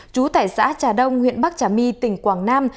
chú tài xã trà đông huyện bắc trà my tỉnh quảng nam